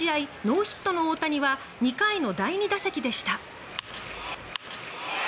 ノーヒットの大谷は２回の第２打席でした。